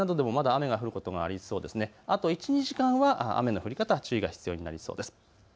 あと１、２時間は雨の降り方に注意が必要になりそうです。